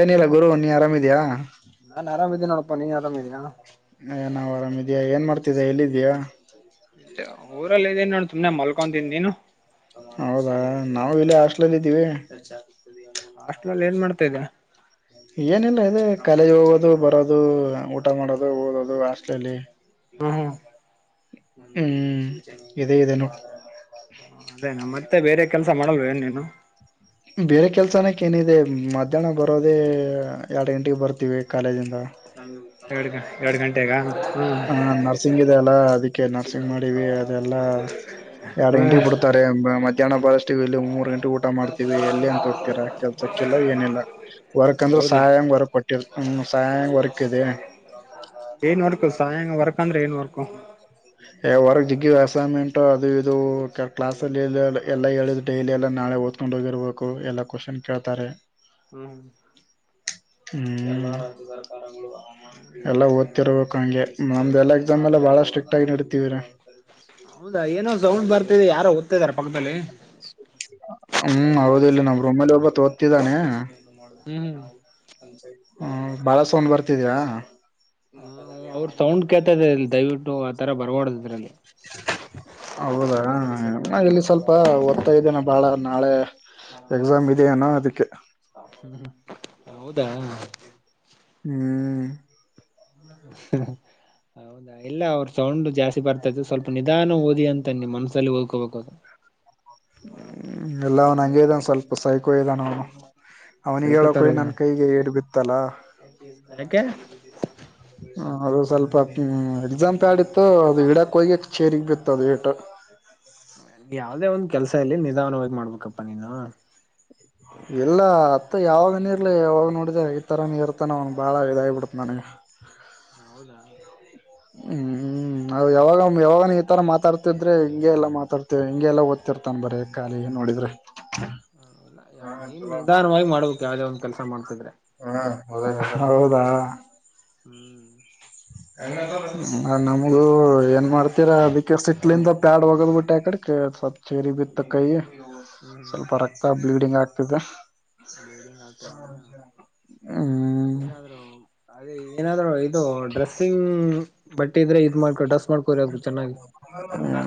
ಏನಿಲ್ಲ ಗುರು ನೀ ಆರಾಮಿದಯಾ ನಾನ್ ಆರಾಮ ಇದೀೇ ನೋಡಪ್ಪ ನೀನ್ ಆರಾಮಿದೀ ಅ ನಾವ್ ಆರಾಮ್ ಇದ್ಯಾಾ ಏನ್ ಮಾಡ್ತಿದ ಎಲ್ಲಿದೀಯಾ ಊರಲ್ಲ ಇದೀನ್ ನೋ ಸುಮನೆ ಮಲ್ಕೊಂತನ್ಿ ನೀನು ಹೌದಾ ನಾವು ಇಲ್ಲಿ ಹಾಸ್ಲಲ್ ಇದ್ದೀವಿ ಹಾಸ್ಟ್ಲ ಅಲ್ಲಿ ಏನ್ ಮಾಡ್ತಾ ಇದೆ ಏನಿಲ್ಲ ಇದೆ ಕಾಲಜ ಹೋಗೋದು ಬರೋದು ಊಟ ಮಾಡೋದು ಓದೋದು ಹಾಸ್ಲಲ್ಲಿ ಹ್ಮ್ ಹ್ಮ್ ಹ್ಮ್ ಇದೇ ಇದೇನುೋ ಅದೇ ನಮ್ಮ ಮತ್ತೆ ಬೇರೆ ಕೆಲಸ ಮಾಡಲ್ವ ಏನ್ ನೀೇನು ಬೇರೆ ಕೆಲ್ಸನಕ್ಕೆ ಏನಿದೆ ಮಧ್ಯಾಹ್ನ ಬರೋದೇ ಎರಡು ಗಂಟೆಗೆ ಬರ್ತೀವಿ ಕಾಲೇಜಿಂದ ಎರಡ್ ಗ ಎರಡ್ ಗಂಟೆಗ ಹ್ಮ ಹಾ ನ ನಸಿಂಗ್ ಇದೆ ಅಲ್ಲ ಅದಕ್ಕೆ ನರ್ಸಿಂಗ್ ಮಾಡಿವವಿ ಅದೆಲ್ಲಾ ಎರಡು ಹ್ಮ್ ಇಂಟಿಗೆ ಬಿಡ್ತ ಎ ಮಧ್ಯಾನ ಪಾರಸ್ಟ್ ವಲ್ಲಿ ಮೂವೂರು ಗಂಟ ಊಟಮ ಎಲ್ಲಿ ಅಂತ ಹೋಗ್ತೀರಾ ಕೆಲ್ಸಕ್ಕೆಲ್ಲ ಏನಿಲ್ಲ ವರ್ಕ್ ಅಂದ್ರೆ ಹೌದಾ ಸಹಾಯಂಗ ವರ್ಕ್ ಕೊಟ್ಟ ಸಂ್ ವರ್ಕ್ ಇದೆ ಏನ್ವರ್ಕು ಸಾಯಂಗ ವರ್ಕ ಅಂದ್ರೆ ಏನ್ವರ್ಕು ಹೊರಗಿಗ ಅಸೈನ್ಮೆಂಟ್ ಅದು ಇದು ಕ್ಲಾಸ್ಲ್ಲಿ ಎಲ್ಲಾ ಹೇಳಿದ್ ಡೈಲಿ ಎಲ್ಲಾ ನಾಳೆ ಓದ್ಕೊಂಡ್ ಹೋಗಿರ್ಬೇಕು ಎಲ್ಲಾ ಕ್ವಶನ್ ಕೇಳ್ತಾರೆ ಹ್ಮ್ ಹ್ಮ ಹ್ಮ ಎಲ್ಲ ರ್ಬೇಕುಂಗೆ ನಮ್ದ ಎಲ್ಲ ಎಕ್ಸಾಮ್ ಎಲ್ಲ ಬಾಳ ಸ್ಟ್ರಿಕ್ ಆಗಿಡ್ತತಿವ್ರರಿ ಹೌದಾ ಏನೋ ಸೌಂಡ್ ಬರ್ತಿದೆ ಯಾರೋ ಓದ್ತಾ ಇದಾರ ಪಕ್ಕದಲ್ಲಿ ಹ್ಮ್ ಹೌದ ಇಿಲ್ಲ ನಾವ್ ರೊಮ್ಮೇಲೆ ಒಬ್ಬ ತೋ ಿದ್ದಾನೆ ಹ್ಮ್ ಹ್ಮ್ ಹ ಬಳ ಸೋನ್ ಬರ್ತಿದಯಾ ಹ್ಮ ಅವ್ರ ಸೌಂಡ್ ಕೇಳ್ತದೇ ಅಲ್ಲಿ ದಯವಿಟ್ಟು ಆತರ ಬರ್ಬಾರ್ದ್ ಇದ್ರಲ್ಲಿ. ಹೌದಾ ಹಾ ಇಲ್ಲಿ ಸ್ವಲ್ಪ ಓದತಾ ಇದ್ದೀನಿ ಬಾಳ ನಾಳೆ ಎಕ್ಸಾಮ್ ಇದೆಯೇನು ಅದಿಕ್ಕೆ ಹ್ಮ್ ಹೌದಾ ಹ್ಮ್ ಉ ಹ್ಮ್ ಇಲ್ಲ ಅವ್ರ ಸೌಂಡ್ ಜಾಸ್ತಿ ಬರ್ತೈತೆ ಸ್ವಲ್ಪ ನಿಧಾನ ಓದಿ ಅಂತ ನಿಮ್ಮ ಮನಸಲ್ಲಿ ಓದ್ಕೋಬೇಕು ಅದು ಹ್ಮ್ ಎಲ್ಲ ಅವನ ಹಂಗೆ ಇದಾನ ಸ್ವಲ್ಪ ಸೈಕೋ ಇದಾನ ಅವನು ಅವ್ನಿಗೆ ಸೈಕೋತರ ಹೇಳಕೋಗಿ ಇದ ನನ್ ಕೈಗೆ ಏಟ ಬಿತ್ತಲ್ಲ. ಯಾಕೆ ಹ ಅದು ಸ್ವಲ್ಪ ಹ್ಮ ಎಕ್ಸಾಮ ಪ್ಯಾಡ ಇತ್ತು ಅದು ಇಡಾಕ್ ಹೋಗಿ ಚೇರಿಗ ಬಿತ್ತು ಅದರೇಟು ಯಾವುದೇ ಒಂದ್ ಕೆಲಸ ಇಲ್ಲಿ ನಿಧಾನವಾಗಿ ಮಾಡ್ಬೇಕಪ್ಪಾ ನೀನು ಇಲ್ಲ ಅತ್ತ ಯಾವಾಗನ ಇರ್ಲಿ ಯಾವಾಗ ನೋಡಿದ್ರೆ ಈ ತರ ನೀ ಇರ್ತಾನ ಅವನ ಬಾಳ ಇದಾಗಿಬಿಡತ ನನಗೆ. ಹೌದಾ ಹ್ಮ್ ಹ್ಮ ಯಾವಾಗ ಯಾವಾಗ ಈತರ ಮಾತಾಡ್ತಿದ್ರೆ ಹಿಂಗೆಲ್ಲ ಮಾತಾಡ್ತೇ ಹಿಂಗೆ ಓದ್ತಿರ್ತಾನ ಬರೀ ಖಾಲಿ ನೋಡಿದ್ರೆ. [inaudible] ಹ ಇಲ್ಲ ನೀನ್ ನಿಧಾನವಾಗಿ ಮಾಡ್ಬೇಕು ಯಾವ್ದೇ ಒಂದ್ ಕೆಲ್ಸ ಮಾಡ್ಸಿದ್ರೆ. ಹ್ಮ [unintelligible] ಅದ ಹೌದಾ ಹ್ಮ್ ನಮಗ ಏನ್ ಮಾಡ್ತೀರಾ ಅದಿಕೆ ಸಿಟ್ಲಿಂದ ಪ್ಯಾಡ ವಗದ ಬಿಟ್ಟೆ ಅಕಡೆ ಅದಕೆ ಸ್ವಲ್ಪ ಚೇರಿಗೆ ಬಿತ್ತ ಕೈ ಹ್ಮ್ ಸ್ವಲ್ಪ ರಕ್ತ ಬ್ಲೀಡಿಂಗ್ ಆಗ್ತಿದೆ ಬ್ಲೀಡಿಂಗ್ ಆಗ್ತದೇನಾ ಹ್ಮ್ ಏನಾದ್ರು ಅದೇ ಏನಾದ್ರು ಇದು ಡ್ರೆಸ್ಸಿಂಗ್ ಬಟ್ಟೆ ಇದ್ರೆ ಇದ್ ಮಾಡ್ಕೊ ಡ್ರೆಸ್ ಮಾಡ್ಕೊರಿ ಚೆನ್ನಾಗಿ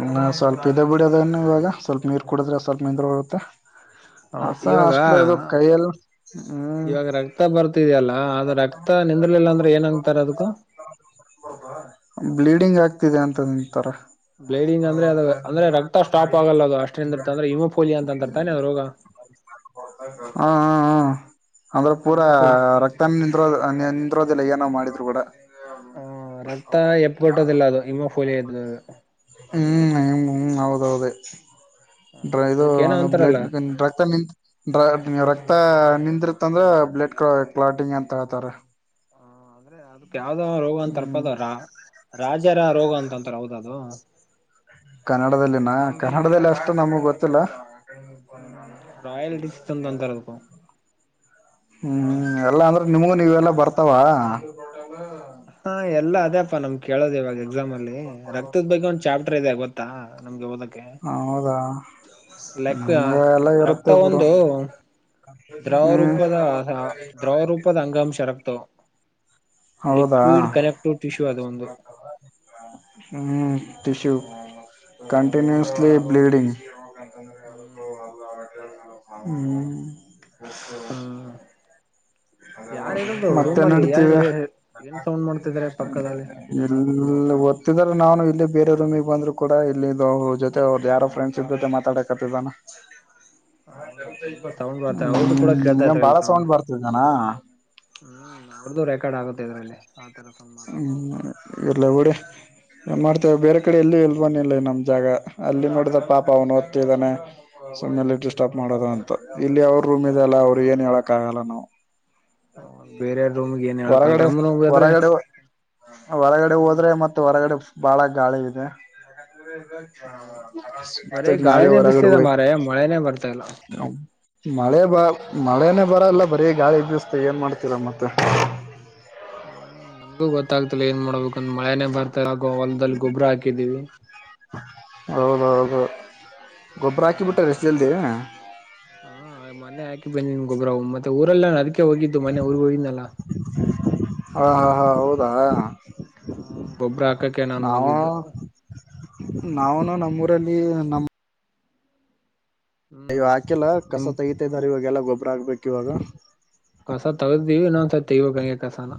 ಹ್ಮ ಸ್ವಲ್ಪ ಇದ ಬಿಡಿಯೋ ಅದನ್ನು ಇವಾಗ ಸ್ವಲ್ಪ ನೀರ್ ಕುಡಿದ್ರೆ ಸ್ವಲ್ಪ ನಿಂದ್ರ ಹೋಗುತ್ತೆ. ಹ ಹೌದು ಹಸ ಇವಾಗ ಅಷ್ಟಲ ಇದು ಕೈಯಲ್ಲಿ ಹ್ಮ್ ಇವಾಗ ರಕ್ತ ಬರ್ತಿದೆಯಲ್ಲ ಆದ ರಕ್ತ ಮ ನಿಂದಲಿಲ್ಲ ಅಂದ್ರೆ ಏನ್ಂಗತಾರ ಅದೂ ಬ್ಲೀಡಿಂಗ್ ಆಗ್ತಿದೆ ಅಂತ ನಿಂತರ ಬ್ಲಡಿಂಗ ಅಂದ್ರೆ ಅದ ಅಂದ್ರೆ ರತ ಸ್ಟಾಪ್ ಆಗಲ್ಲ ಅದು ಅಷ್ಟೇದಂದರ್ತ ಅ್ರ ಹಮೋಫೋಲಿಯಾ ಅಂತರ್ತಾನನೆ ಅದು ರೋಗ ಹಾ ಹಾ ಹಾ ಅಂದ್ರೆ ಪೂರಾ ಹಿಮೋಫೋಲಿ ರಕ್ತ ತ ನಿಂದೋ ನಿಂದ್ರೋದಿಲ್ಲ ಏನ್ ಮಾಡಿದ್ರು ಕೂಡ ಆ ರಕ್ತ ಎಪ್ಗಟ್ಟೋದಿಲ್ಲ ಅದು ಇಮ್ಮೋ ಪಫೋಲಿಯಾ ಇದರು ಹ್ಮ್ ಹ್ಮ ಹೌದ್ದ ಇದು ಅದಕ್ಕ ಏನೋ ಅಂತಾರಲ್ಲ ಬ್ಲಡ್ ರಕ್ತ ನಿಂತ ಡ್ರ ನೀ ರಕ್ತ ನಿಂದಿರ್ತ್ತ ಅಂದ್ರೆ ಬ್ಲಡ್ ಕ ಕ್ಲಾಟಿಂಗ್ ಅಂತ ಹೇಳ್ತಾರೆ ಹ ಅಂದ್ರೆ ಅದಕ್ ಯಾವ್ದಾವ ರೋಗ ಅಂತಾರಪ ಹ್ಮ್ ಅದ ರಾಜರ ರೋಗ ಅಂತಂತಾರ ಹೌದ ಅದು ಕನ್ನಡದಲ್ಲಿನ ಕನ್ನಡದಲ್ಲಿ ಅಷ್ಟು ನಮಗ್ ಗೊತ್ತಿಲ್ಲ ಹ್ಮ್ ರಾಯಲ್ ಡಿಸೀಸ್ ಅಂತ ಅಂತಾರ ಅದಕ್ಕೂ ಕೆಳೋದು ಹ್ಮ್ ಎಲ್ಲಾ ಅಂದ್ರೆ ನಿಮಗು ನೀವೆ ಎಲ್ಲಾ ಬರ್ತಾವ ಹಾ ಎಲ್ಲಾ ಅದೇಪ್ಪ ನಮ್ ಕೇಳೋದು ಇವಾಗ ಎಕ್ಸಾಮ್ ಅಲ್ಲಿ ರಕ್ತದ ಬಗ್ಗೆ ಒಂದ್ ಚಾಪ್ಟರ್ ಇದೆ ಗೊ ಆತ್ತಾ ನಮ್ಗೆ ಓದಕ್ಕೆ ಹೌದಾ ಲೆಕ್ಕ ನಮ್ಗೆ ಎಲ್ಲ ರಕ್ತ ಇರುತ್ತೆಬಡು ಒಂದು ಹ್ಮ ಇಪ್ಪ ಅಂಗಾಂಶರಕ್ತಾವ ಹೌದಾ ಲಿಕ್ವಿಡ್ ಕನೆಕ್ಟಿವ್ ಟಿಶ್ಯೂ ಅದು ಒಂದು ಹ್ಮ್ ಟಶು ಹ್ಮ್ ಕಂಟಿನ್ಯೂಸ್ಲಿ ಬ್ಲೀಡಿಂಗ್ ಹೂ ಹ್ಮ ಯಾರ್ ಹೇಳಡುದು ಮತ್ತೆ ರೂಮ್ ಅಲ್ಲಿ ಏನ್ ನಡೀತಿದೆ ಏನ್ ಸೌಂಡ್ ಮಾಡ್ತಿದಿದ್ದಾರೆ ಪಕ್ಕದಲ್ಲಿ ಇಲ್ಲಿ ಓದತಿದಾರ ನಾನು ಇಲ್ಲಿ ಬೇರೆ ರೂಮಿಗೆ ಬಂದ್ರು ಕೂಡ ಇಲ್ಲಿ ಜೊತೆ ಅವ್ದ ಯಾರೋ ಫ್ರೆಂಡ್ಸ್ ಜೊತೆ ಮಾತಾಡಕತಿದ್ದಾನ ಹೌದಾ ತುಂಬಾ ಸೌಂಡ್ ಬರ್ತಾ ಅವ್ರ್ದು ಹ್ಮ ಕೂಡ ಕೇಳ್ತಾ ಈಗ ಇದ್ರ ಬಾಳ ಇಲ್ಲಿ ಸೌಂಡ್ ಬರ್ತವಿಗಾನ ಹ್ಮ್ ಅವ್ರದ್ದು ರೆಕಾರ್ಡ್ ಆಗುತ್ತೆ ಇದ್ರಲ್ಲಿ ಆತರ ಸೌಂಡ್ ಮಾತಾಡ್ತಾ ಹ್ಮ್ ಇರೋದು ಇರ್ಲ್ಲ ಊಡ ಮಾಡ್ತೇವೆ ಬೇರೆ ಕಡೆ ಎಲ್ಲಿ ಇಲ್ಬನ್ ಇಿಲ್ಲ ನಮ್ ಜಾಗ ಅಲ್ಲಿ ನೋಡಿದ ಪಾಪ ಅವ್ನು ಓದ್ತಿದಾನೆ ಸುಮ್ಮ್ನೆಲೆ ಇಟ ಸ್ಟಾಪ್ ಮಾಡೋದ ಅಂತ ಇಲ್ಲಿ ಅವ್ರ ರೂಮ್ ಇದೆ ಅಲ್ಲ ಅವ್ರರು ಏನ್ ಹೇಳಕ್ ಆಗಲ್ಲ ನಾವು ಬೇರೆ ರೂಮ್ಗೆ ಏನ್ ಹೇಳಕಲ್ ಹೊರಗಡೆ ನಮ್ ರೂಮ್ಗೆ ಹೋದ್ರೆ ಹೊರಗಡೆ ಹೊರಗಡೆ ಹ್ಮ್ ಹೋದ್ರೆ ಮತ್ತೆ ಹೊರಗಡೆ ಬಾಳ ಗಾಳಿ ಇದೆ ಹೌದು ತ್ತ ಬರೀ ನಾವ ಗಾಳಿನೇ ಹೊರಗಡ ಬಿಸ್ತಿದೆ ಮಾರಾಯ ಮಳೆನೇ ಬರ್ತಾ ಇಲ್ಲ ಮಳೆ ಬ ಮಳೇನೇ ಬರಲ್ಲ ಬರೀ ಗಾಳಿ ಬ್ಯಸ್ತ ಏನ್ ಮಾಡ್ತೀರಾ ಮತ್ತೆ ಹ್ಮ್ ನನ್ಗೂ ಗೊತ್ತಾಗ್ತಿಲ್ಲ ಏನ್ ಮಾಡ್ಬೇಕುಂದ್ ಮಳೆನನೆ ಬರ್ತ ಆ ಹೊಲದಲ್ಲಿ ಗೊಬ್ಬ್ರ ಹಾಕಿದೀವಿ ಹೌದೌದು ಹ ಗೊಬ್ಬರ ಹಾಕಿಬಿಟ್ಟ ಅಷ್ಟ ಜಲ್ದಿ ಹಾ ಮನೆ ಹಾಕಿ ಬನ್ನಿನ್ ಗೊಬ್ಬ್ರವ ಮತ್ತೆಊಲ್ಲಾ ಅದಕೆ ಹೋಗಿದ್ದು ಮನೆ ಊರ್ಗ್ ಹೋಗಿದನಾ ಹಾ ಹಾ ಹಾ ದಾ ಹ ಹ ಗೊಬ್ಬ್ರ ಹಾಕಕ್ಕೆ ನಾನು ನಾವ ಹೋಗಿದ್ದು ನಾವನು ನಮ್ಮೂರಲ್ಲಿ ನ ಅಯ್ಯ ಹ್ಮ್ ಹಾಕೆಲ್ಲ ಕಸ ನಿಮ್ ತೈಯತಂದಾರೆ ಇವಾಗೆಲ್ಲ ಗೊಬ್ಬರ ಆಗ್ಬೇಕು ಇವಾಗ ಕಸ ತಗತೀವಿ ಇನ್ನೊಂದ್ಸ ತಗ್ಬೇಕ ಹಂಗೆ ಕಸನ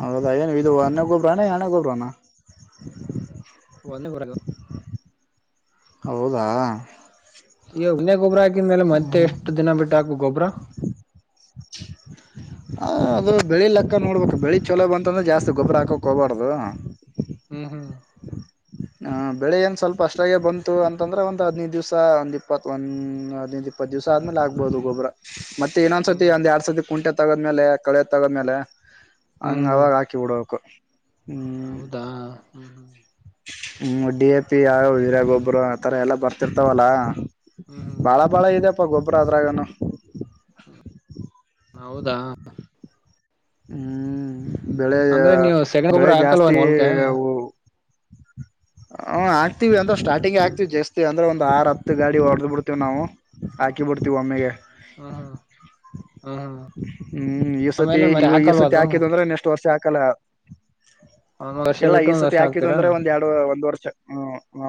ಹೌದ ಏನು ಇದು ಅನ್ನೆ ಕೊಲ್ರಾನ ಎನೆ ಕೊಲ್ರಾನ ಒಂದ ಬರಗ ಹೌದಾ ಈಗ ಉಣ್ೆ ಗೊಬ್ಬ್ರ ಹಾಕಿದ್ಮೇಲೆ ಮತ್ತೆ ಹ್ಮ್ ಎಷ್ಟು ದಿನ ಬಿಟ್ಟ ಹಾಕು ಗೊಬ್ಬ್ರ ಹ ಅದು ಬೆಳಿ ಲೆಕ್ಕ ನೋಡ್ಬೇಕು ಬೆಳಿ ಚೊಲೋ ಬಂತಂದ್ರೆ ಜಾಸ್ತಿ ಗೊಬ್ಬರ ಹಾಕಕ್ ಹೋಗಬಾರ್ದು ಹ್ಮ್ ಹ್ಮ್ ಹ ಬೆಳೆ ಏನ್ ಸ್ವಲ್ಪ ಅಷ್ಟಾಗೆ ಬಂತು ಅಂತಂದ್ರ ಒಂದ ಹದ್ಿನೈದು ದಿವ್ಸ ಒಂದ್ ಇಪ್ಪತ್ ಒಂದ ಹದಿನೈದು್ ಇಪ್ಪ ಪ್ಪತ್ತು ದಿವಸ ಆದೇ ಆಗ್ಬೋುದು ಗೊಬ್ರ ಮತ್ತೆ ಹ್ಮ್ ಏೊಂದಸತಿ ಹ್ಮ್ ಒಂದ್ ಎರಡ್ ಸರ್ತಿ ಕುಂಟೆ ತಗದ್ಮೇಲೆ ಕಳೆ ತಗದ್ಮೇಲೆ ಹ್ಮ್ ಹಂಗ ಹ್ಮ್ ಆವಾಗ ಹಾಕಿ ಬಿಡೊಕು ಹೌದಾ ಹ್ಮ್ ಹ್ಮ್ ಹ್ಮ್ ಡಿ ಎ ಪಿ ಯೂರೀಯ ಗೊಬ್ಬರ ಆತರ ಎಲ್ಲಾ ಬರ್ತಿರ್ತಾವಲ್ಲಾ ಹ್ಮ್ ಹ್ಮ್ ಬಾಳ ಬಾಳ ಇದಪ್ಪ ಗೊಬ್ಬರ ಅದ್ರಾಗನು ಹೌದಾ ಹ್ಮ್ ಬೆಳೆಯ ಅಂದ್ರೆ ನೀವು ಸೆಗಣಿ ಬೆಳೆ ಗೊಬ್ಬ್ರ ಹಾಕಲ್ವ ಜಾಸ್ತಿ ನಿಮ್ ಹೊಲ್ಕೆ [inaudible] ಹ ಆಗ್ತೀವಿ ಅಂದ್ರೆ ಸ್ಟಾರ್ಟಿಂಗ್ ಆಗ್ತತಿವಿ ಜಾಸ್ತಿ ಅಂದ್ರೆ ಒಂದ್ ಆರ್ ಹತ್ತು ಗಾಡಿ ಹೊಡೆದ್ ಬಿಡ್ತೀವಿ ನಾವು ಹಾಕಿ ಬಿಡ್ತೀವಿ ಒಮ್ಮೆಗೆ ಹ್ಮ್ ಹ್ಮ್ ಆಮೇಲೆ ಮರಿ ಹಾಕಲ್ವ ಅದ್ರೂ ಬರೆ ನೆಕ್ಸ್ಟ್ ವರ್ಷ ಹಾಕಲ್ಲ ಒಂದ್ ವರ್ಷ ಇಲ್ಲ ಬಿಟ್ಟು ಈ ಒಂದ್ ಸತಿ ವರ್ಷ ಹಾಕಿದ್ ಹಾಕ್ತೀರಾ ಅಂದ್ರೆ ಒಂದು ಎರಡು ಒಂದ್ ವರ್ಷ ಹೂ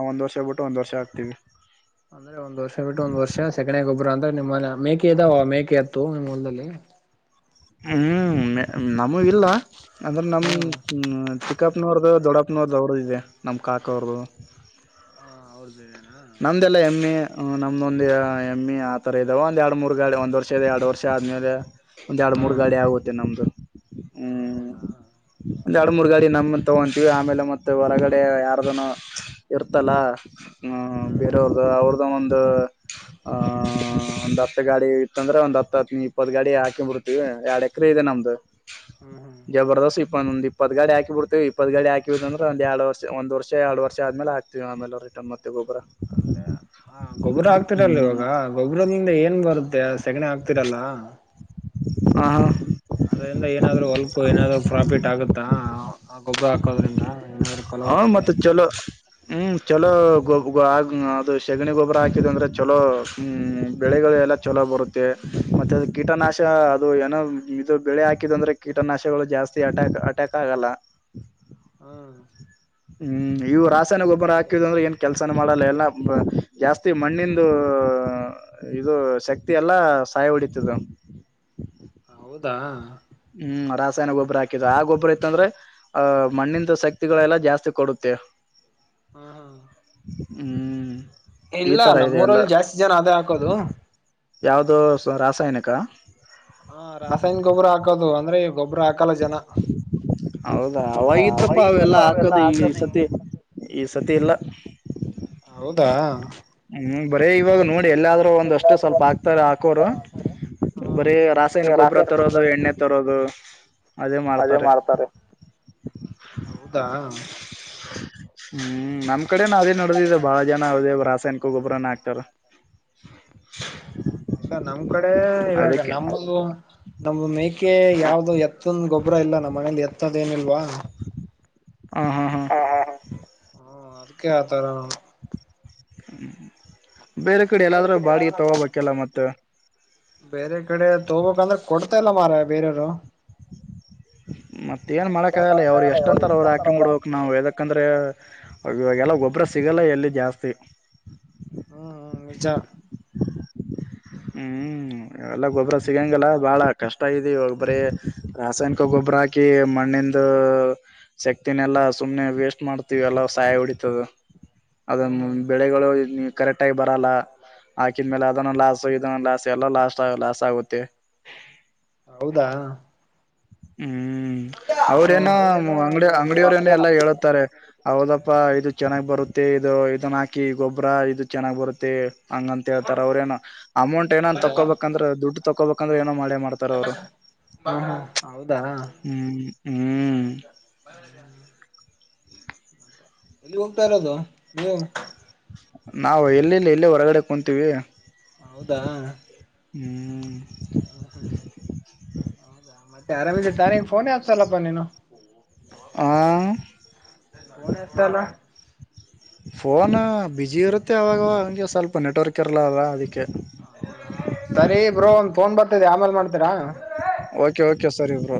ಒಂದ್ ವರ್ಷ ಬಿಟ್ಟು ಒಂದ್ ವರ್ಷ ಆಗ್ತೀವಿ ಅಂದ್ರೆ ಒಂದ್ ವರ್ಷ ಬಿಟ್ಟು ಒಂದ್ ವರ್ಷ ಸೆಕಣೆ ಗೊಬ್ಬರ ಅಂದ್ರೆ ನಿಮ್ಮನೆ ಮೇಕೆ ಇದಾವ ಮೇಕೆ ಎತ್ತು ನಿಮ್ಮ ಹೊಲ್ದಲ್ಲಿ ಹ್ಮ್ ನಮ್ಮೂ ಇಲ್ಲ ಅಂದ್ರೆ ನಮ್ ಹ್ಮ್ ಚಿಕ್ಕಪ್ಪನವರ್ದು ದೊಡ್ಡಪ್ಪನವ್ರದ ಅವ್ರದ್ ಇದೆ ನಮ್ ಕಾಕ ಅವ್ರದು ಹ ಅವ್ರದ್ದಿದೆನಾ ನಮ್ದೆಲ್ಲ ಎಮ್ಮೆ ನಮ್ದೊಂದ್ ಎಮ್ಮೆ ಆತರ ಇದಾವ ಒಂದ್ ಎರಡು ಮೂರ್ ಗಾಡಿ ಒಂದ್ ವರ್ಷ ರ್ಷ ಎರಡು ವರ್ಷ ಆದ್ಮೇಲೆ ಒಂದ್ ಎರಡು ಹಾ ಮೂರ್ ಗಾಡಿ ಆಗುತ್ತೆ ನಮ್ದು ಹ್ಮ್ ಹೌದಾ ಒಂದ್ ಎರಡು ಮೂರ್ ಗಾಡಿ ನಮ್ಮದ್ ತಗೊಂತೀವಿ ಆಮೇಲೆ ಮತ್ತೆ ಹೊರಗಡೆ ಯಾರ್ದನಾ ಇರ್ತಲ್ಲ ಹ್ಮ್ ಬೇರೆಯವರದು ಅವರುದ್ದ ಒಂದು ಆ ಹ ಒಂದ್ ಹತ್ತು ಗಾಡಿ ಇತ್ತಂದ್ರೆ ಒಂದ್ ಹತ್ತ ಹತ್ ಇಪ್ಪತ್ತು ಗಾಡಿ ಹಾಕಿ ಬಿಡ್ರತ್ತೀವಿ ಎರಡ್ ಎಕರೆ ಇದೆ ನಮ್ದು ಹ್ಮ್ ಹ್ಮ್ ಜಬ್ದರ್ಸ್ ಇಪ ಒಂದು ಇಪ್ಪತ್ತು ಗಾಡಿ ಹಾಕಿಬಿಡ್ತವಿ ಇಪ್ಪತ್ ಗಾಡಿ ಹಾಕಿವಿ ಅಂದ್ರೆ ಒಂದ್ ಎರಡು ವರ್ಷ ಒಂದು ವರ್ಷ ಎರಡ್ ವರ್ಷ ಆದ್ಮೇಲೆ ಹಾಕ್ ಆಮೇಲೆ ರಿಟರ್ನ್ ಮತ್ತೆ ಗೊಬ್ಬರ ಹಾ ಗೊಬ್ಬರ ಆಗ್ತಿರಲ್ಲ ಹ್ಮ್ ಇವಾಗ ಗೊಬ್ಬರದಿಂದ ಏನ್ ಬರುತ್ತೆ ಸೆಗಣಿ ಆಕ್ತಿರಲ್ಲ ಹ ಹಾ ಅದ್ರಿಂದ ಏನಾದ್ರು ಹೊಲ್ಕು ಏನಾದ್ರು ಪ್ರಾಫಿಟ್ ಆಗುತ್ತಾ... ಗೊಬ್ಬರ ಹಾಕೋದ್ರಿಂದ ಏನಾದ್ರು ಹಾ ಫಲವತ್ತತೆ ಮತ್ತೆ ಚಲೋ ಹ್ಮ್ ಚಲೋ ಗೊಬ್ ಆ ಅದು ಶೆಗಣಿ ಗೊಬ್ಬರ ಹಾಕಿದ ಅಂದ್ರೆ ಚಲೋ ಹ್ಮ ಬೆಳೆಗಳ್ ಎಲ್ಲಾ ಚಲೋ ಬರುತ್ತೆ ಮತ್ತೆ ಅದ್ ಕೀಟನಾಶ ಅದು ಏನೋ ಇದು ಬೆಳೆ ಹಾಕಿದ ಅಂದ್ರೆ ಕೀಟನಾಶಗಳು ಜಾಸ್ತಿ ಅಟ್ಯಾಕ್ ಅಟ್ಯಾಕ್ ಆಗಲ್ಲ ಹ್ಮ್ ಹ್ಮ್ ಇವು ರಾಸಾಯನ ಗೊಬ್ಬರ ಹೌದಾ ಹಾಕಿದ ಅಂದ್ರೆ ಏನ್ ಕೆಲಸನೇ ಮಾಡಲ್ಲ ಎಲ್ಲಾ ಜಾಸ್ತಿ ಹಾ ಮಣ್ಣಿಂದು... ಇದು ಶಕ್ತಿ ಎಲ್ಲಾ ಸಾಯ ಹೊಡಿತದ ಹೌದಾ ಹ್ಮ್ ರಾಸಾಯನ ಗೊಬ್ಬರ ಹಾಕಿದ್ರೆ ಆ ಗೊಬ್ಬರ ಇತ್ತಂದ್ರೆ ಆ ಮಣ್ಣಿಂದು ಶಕ್ತಿಗಳೆಲ್ಲ ಜಾಸ್ತಿ ಕೊಡುತ್ತೆ. ಹಾ ಹಾ ಹ್ಮ್ ಈ ಇಲ್ಲ ತರ ಇದೆ ಎಲ್ಲ ನಮ್ಮೂರಲ್ಲಿ ಜಾಸ್ತಿ ಜನ ಅದೆ ಹಾಕೋದು ಯಾವುದೋ ರಾಸಾಯನಿಕ ಹಾ ರಾಸಾಯನಿ ಗೊಬ್ಬರ ಹಾಕೋದು ಅಂದ್ರೆ ಗೊಬ್ಬರ ಹಾಕಲ್ಲ ಜನ ಹೌದಾ ಅವಗಿತ್ತಪ್ಪ ಅವಾಗಿತ್ತಪ್ಪ ಅವೆಲ್ಲೂ ಅವೆಲ್ಲಾ ಹಾಕೋದು ಈ ಹಾಕದ ಸತಿ ಈ ಸತಿ ಇಲ್ಲ ಹೌದಾ ಹ್ಮ್ ಬರೀ ಇವಾಗ ನೋಡಿ ಎಲ್ಲಾದ್ರೂ ಒಂದಷ್ಟು ಎಲ್ಲಾದ್ರೂ ಸ್ವಲ್ಪ ಒಂದಷ್ಟು ಹಾಕ್ತಾರೆ ಸ್ವಲ್ಪ ಹಾಕೋರು ಹಾಕೋರು ಬರೀ ರಾಸಾಯನಿ ಹಾ ಗೊಬ್ಬರ ರಾಸಾಯನಿಕ ತರೋದು ತಂದು ಎಣ್ಣೆ ತರೋದು ಅದೇ ಮಾಡ್ತಾರೆ. ಹ [inaudible] ಹ್ಮ್ ನಮ್ ಕಡೆನ ಅದೇ ನಡೆದಿದೆ ಬಾಳ ಜನ ಅವದೇಬ್ ರಾಸಾಯನಿಕ ಒಬಬರ್ನ ಆಗ್ತಾರ ಹ್ಮ ಇಲ್ಲ ನಮ್ ಕಡೆ ಇವಾಗ ಅದಕ್ಕೆ ನಮ್ದು ನಮ್ದ ಮೇಕೆ ಯಾವ್ದು ಎತ್ತನ್ ಗೊಬ್ಬರ ಇಲ್ಲ ನಮ್ಮ್ ಮನೇಲಿ ಎತ್ತದ ಏನಿಲ್ವಾ ಹಾ ಹಾ ಹಾ ಹ ಹ ಹ ಹ್ಮ ಅದಕ್ಕೆ ಆತರ ಬೇರೆ ಕಡೆ ಎಲ್ಲಾದ್ರೂ ಬಾಡಿಗೆ ತಗೋಬೇಕಲ್ಲ ಮತ್ತೆ ಬೇರೆ ಕಡೆ ತಗೊಬೇಕಂದ್ರೆ ಕೊಡ್ತಾಲ್ಲ ಮಾರಯ್ಯ ಬೇರೆಯವರು ಮತ್ತ ಏನ್ ಮಾಡಕ ಆಗಲ್ಲ ಅವರು ಎಷ್ಟ ಅಂತಾರ ಅವ್ರು ಹಾಕೊಂಡ್ ಬಿಡೋಕ್ ನಾವ್ ಯದಕಂದ್ರೆ ಇವಾಗೆಲ್ಲ ಗೊಬ್ಬರ ಸಿಗೋಲ್ಲ ಎಲ್ಲಿ ಜಾಸ್ತಿ ಹ್ಮ್ ಹ್ಮ್ ನಿಜ ಹ್ಮ್ ಎಲ್ಲ ಗೊಬ್ಬ್ರ ಸಿಗಂಗಲ್ಲ ಬಾಳ ಕಷ್ಟ ಆಗಿದೆ ಇವಾಗ ಬರೆ ರಾಸಾಯನಿಕ ಗೊಬ್ಬರ ಹಾಕಿ ಮಣ್ಣಿಂದು... ಶಕ್ತಿನೆಲ್ಲಾ ಸುಮ್ಮನೆ ವೇಸ್ಟ್ ಮಾಡ್ತೀವಿ ಎಲ್ಲ ಸಯ ಹೊಡಿತದ ಅದ ಹ್ಮ್ ಹ್ಮ್ ಬೆಳೆಗಳು ಕರೆಕ್ಟ್ ಆಗಿ ಬರಲ್ಲ ಹಾಕಿದ್ಮೇಲೆ ಅದನ್ನು ಲಾಸ್ ಸೊ ಇದುನೂ ಲಾಸ್ ಎಲ್ಲ ಲಾಸ್ಟ್ ಲಾಸ್ ಆಗುತ್ತೆ ಹೌದಾ ಹ್ಮ್ ಹ್ಮ ಅವ್ರೇನೋ ಅಂಗಡಿ ಅಂಗಡಿಯವರ ಏನ ಎಲ್ಲಾ ಅವ್ರೇನೋ ಹೇಳುತ್ತಾರೆ ಹೌದಪ್ಪ ಇದು ಚೆನ್ನಾಗ್ ಬರುತ್ತೆ ಇದು ಇದನ್ನ ಹಾಕಿ ಗೊಬ್ಬರ ಇದು ಚೆನ್ನಾಗ್ ಬರುತ್ತೆ ಹಂಗ ಅಂತ ಹೇಳ್ತಾರ ಅವ್ರ ಏನೋ ಅಮೌಂಟ್ ಹೌದಾ ಏನನ್ ತಕೋಬೇಕಂದ್ರೆ ದುಡ್ಡು ತಕೋಬೇಕಂದ್ರೆ ಏನೋ ಮಾಡೆ ಮಾಡತಾರ ಅವ್ರು ಹಾ ಹಾ ಹಾ ಹೌದಾ ಹ್ಮ್ ಹ್ಮ ಎಲ್ಲಿ ಹೋಗ್ತಾ ಇರೋದು ನೀವು ನಾವು ಎಲ್ಲೆಲ್ಲಿ ಇಲ್ಲ ಹೊರಗಡೆ ಕುಂತೀವಿ ಹೌದಾ ಹ್ಮ್ ಹ್ಮ ಹೌದಾ ಮತ್ತೆ ಆರಾಮದಿ ತಾನೇ ಫೋನೆ ಹೆತ್ತಲ್ಲಪ್ಪ ನೀನು ಹಾ ಫೋನ್ ಹಸ್ತಲ್ಲ ಫೋನ್ ಬುಝಿ ಇರುತ್ತೆ ಅವಗ ಅವಾಗ ಅಂಗೆ ಸ್ವಲ್ಪ ನೆಟ್ವರ್ಕ್ ಇರಲ ಅಲ್ವಾ ಅದಕ್ಕೆ ಸರಿ ಬ್ರೋ ಒಂದ್ ಫೋನ್ ಬರ್ತಿದೆ ಆಮೇಲ್ ಮಾಡ್ತೀರಾ ಓಕೆ ಓಕೆ ಸರರಿ ಬ್ರೋ